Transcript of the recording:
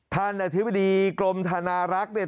ท่านอธิบดีกรมธนารักษ์เนี่ย